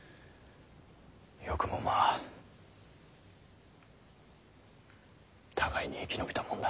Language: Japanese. よくもまぁ互いに生き延びたもんだ。